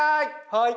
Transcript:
はい！